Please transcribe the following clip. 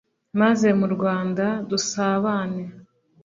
Maze mu Rwanda dusabane